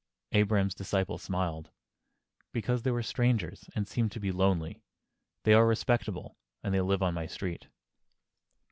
Abraham's disciple smiled. "Because they were strangers, and seemed to be lonely. They are respectable, and they live on my street."